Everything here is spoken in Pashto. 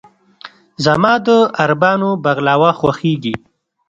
زما د عربانو "بغلاوه" خوښېږي.